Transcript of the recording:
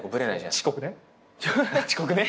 遅刻ね。